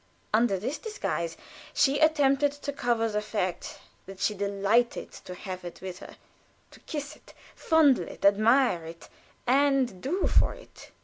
Under this disguise she attempted to cover the fact that she delighted to have it with her, to kiss it, fondle it, admire it, and "do for it."